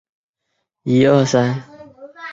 会津柳津站只见线的铁路车站。